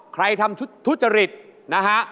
ใครทำทุจริตนะฮะ